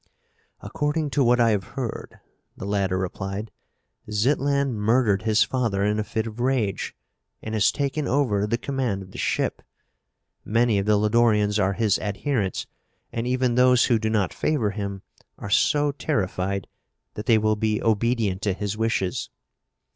"According to what I have heard," the latter replied, "Zitlan murdered his father in a fit of rage, and has taken over the command of the ship. Many of the Lodorians are his adherents and even those who do not favor him are so terrified that they will be obedient to his wishes."